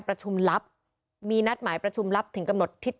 ทางคุณชัยธวัดก็บอกว่าการยื่นเรื่องแก้ไขมาตรวจสองเจน